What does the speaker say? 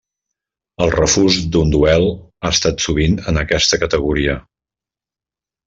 El refús d'un duel ha estat sovint en aquesta categoria.